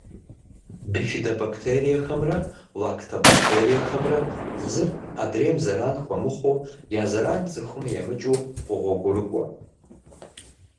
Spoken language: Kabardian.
Бифидобактериехэмрэ лактобактериехэмрэ зыр адрейм зэран хуэмыхъуу, я зэран цӏыхуми емыкӏыу къогъуэгурыкӏуэ.